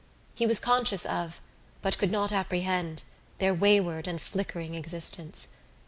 He was conscious of, but could not apprehend, their wayward and flickering existence.